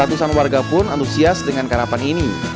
ratusan warga pun antusias dengan karapan ini